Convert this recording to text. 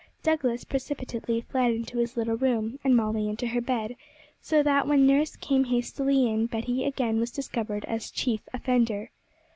Douglas precipitately fled into his little room, and Molly into her bed, so that when nurse came hastily in Betty again was discovered as chief offender.